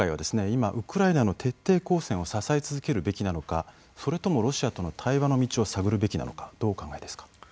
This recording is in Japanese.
今ウクライナの徹底抗戦を支え続けるべきなのかそれともロシアとの対話の道を探るべきなのかどうお考えですか。